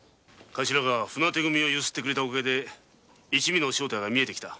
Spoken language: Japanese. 頭が船手組をゆすってくれたおかげで一味の正体が見えてきた。